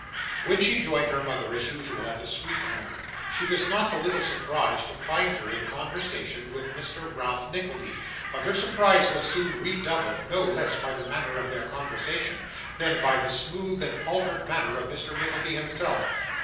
When she joined her mother, as usual, at the street corner, she was not a little surprised to find her in conversation with Mr. Ralph Nickleby; but her surprise was soon redoubled, no less by the matter of their conversation, than by the smoothed and altered manner of Mr. Nickleby himself.